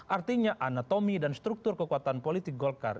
artinya anatomi dan struktur kekuatan politik golkar